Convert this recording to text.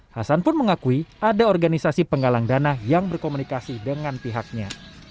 hasan pun mengakui ada organisasi penggalang dana yang berkomunikasi dengan pihaknya